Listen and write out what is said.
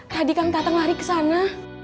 tadi kang datang lari kesana